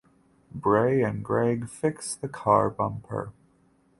Bray and Greg fix the car bumper.